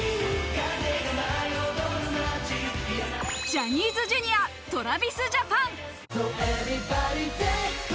ジャニーズＪｒ．、ＴｒａｖｉｓＪａｐａｎ。